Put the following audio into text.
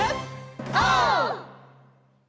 オー！